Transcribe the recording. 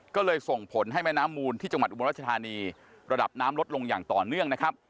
ก็เลยส่งผลให้แม่น้ำมูลที่จังหวัดอุบลรัชธานีระดับน้ำลดลงอย่างต่อเนื่องนะครับ